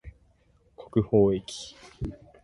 国縫駅